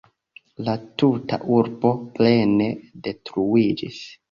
La tuta urbo plene detruiĝis.